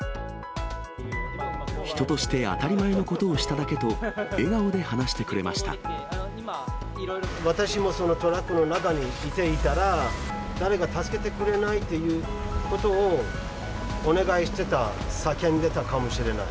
人として当たり前のことをしただけと、私もそのトラックの中にいていたら、誰か助けてくれないっていうことをお願いしてた、叫んでたかもしれない。